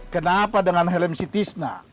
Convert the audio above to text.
kenapa dengan helm si tisna